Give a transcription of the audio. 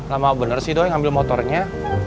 lama bener sih doi ngambil motornya